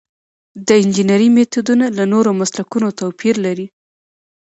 د انجنیری میتودونه له نورو مسلکونو توپیر لري.